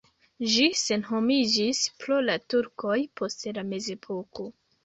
Ĝi senhomiĝis pro la turkoj post la mezepoko.